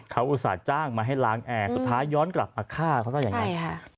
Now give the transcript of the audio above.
เขาอุตส่าห์จ้างมาให้ล้างแอร์สุดท้ายย้อนกลับมาฆ่าเขาซะอย่างนั้น